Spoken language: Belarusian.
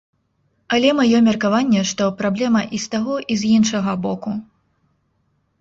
Але маё меркаванне, што праблема і з таго і з іншага боку.